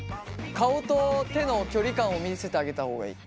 顔と手の距離感を見せてあげた方がいい。